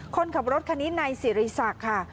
คนขับรถคันนี้ในศิริษัทค่ะ